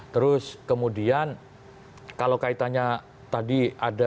terus kemudian kalau kaitannya tadi ada